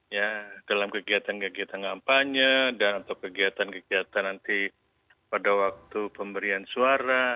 ya dalam kegiatan kegiatan kampanye dan atau kegiatan kegiatan nanti pada waktu pemberian suara